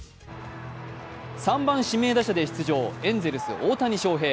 ３番・指名打者で出場、エンゼルスの大谷翔平。